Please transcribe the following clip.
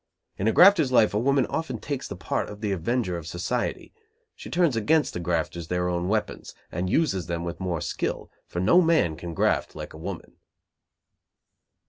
In a grafter's life a woman often takes the part of the avenger of society. She turns against the grafters their own weapons, and uses them with more skill, for no man can graft like a woman.